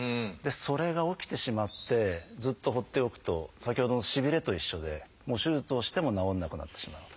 それが起きてしまってずっと放っておくと先ほどのしびれと一緒で手術をしても治らなくなってしまう。